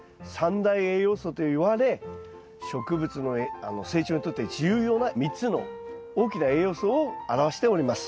３大栄養素といわれ植物の成長にとって重要な３つの大きな栄養素を表しております。